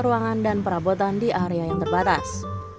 ruangan dan perabotan di area yang terbatas